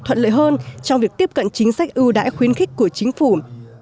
thuận lợi hơn trong việc tiếp cận chính sách ưu đãi khuyến khích của chính phủ